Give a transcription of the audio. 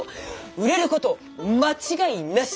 売れること間違いなし！